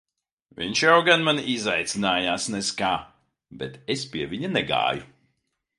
Viņš jau gan mani izaicinājās nez kā, bet es pie viņa negāju.